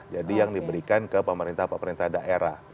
jadi yang diberikan ke pemerintah pemerintah daerah